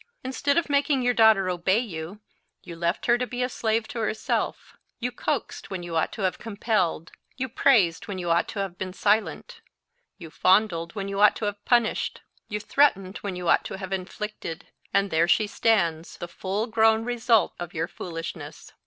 Instead of making your daughter obey you, you left her to be a slave to herself; you coaxed when you ought to have compelled; you praised when you ought to have been silent; you fondled when you ought to have punished; you threatened when you ought to have inflicted—and there she stands, the full grown result of your foolishness!